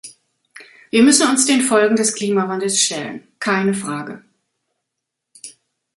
Wir müssen uns den Folgen des Klimawandels stellen, keine Frage.